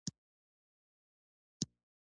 افغانستان کې د د کابل سیند د پرمختګ هڅې روانې دي.